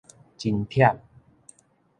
真忝